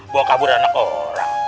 bawa kabur anak orang